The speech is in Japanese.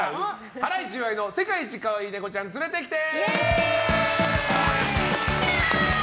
ハライチ岩井の世界一かわいいネコちゃん連れてきて！